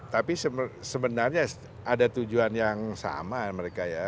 tapi sebenarnya ada tujuan yang sama mereka ya